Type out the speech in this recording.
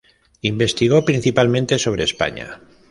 Investigó principalmente sobre España.